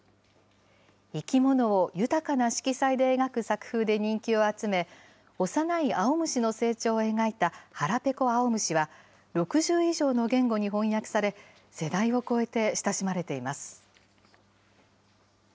生き物を豊かな色彩で描く作風で人気を集め、幼いあおむしの成長を描いたはらぺこあおむしは、６０以上の言語に翻訳され、世代を超えて親しまれています。